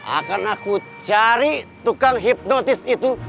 akan aku cari tukang hipnotis itu